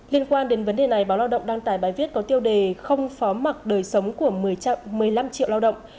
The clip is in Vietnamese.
liên quan đến vấn đề này báo lao động đăng tải bài viết có tiêu đề không phó mặt đời sống của một mươi năm triệu lao động